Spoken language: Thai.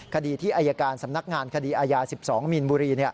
คดีที่อายการสำนักงานคดีอาญา๑๒มีนบุรี